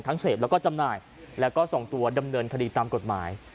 เสพแล้วก็จำหน่ายแล้วก็ส่งตัวดำเนินคดีตามกฎหมาย